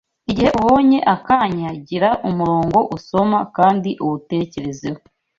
Igihe ubonye akanya, gira umurongo usoma kandi uwutekerezeho.